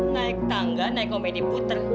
naik tangga naik komedi putar